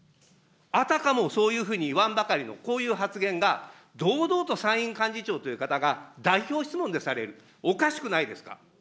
あたかもそういうふうに言わんばかりのこういう発言が、堂々と参院幹事長という方が代表質問でされる、おかしくないですか。